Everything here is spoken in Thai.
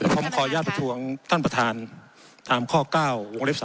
ผมขออนุญาตประท้วงท่านประธานตามข้อ๙วงเล็บ๓